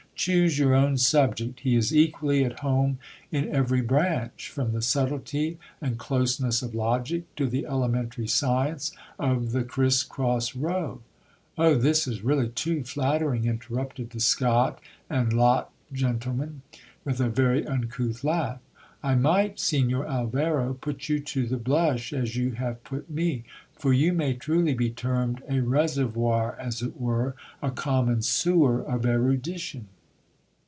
Choose your own subject, he is equally at home in every branch, from the subtilty and closeness of logic, to the elementary science of the criss cross row. Oh ! this is really too flattering, interrupted the scot and lot gentleman with a very uncouth laugh. I might, Signor Alvaro, put you to the blush as you have put me ; for you may truly be termed a reservoir as it were, a common sewer of erudition.